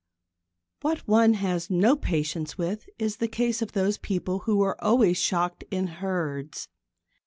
What one has no patience with is the case of those people who are always shocked in herds.